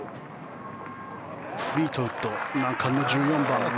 フリートウッド難関の１４番。